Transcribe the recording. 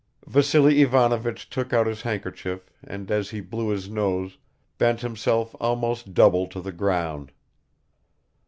Vassily Ivanovich took out his handkerchief and as he blew his nose bent himself almost double to the ground.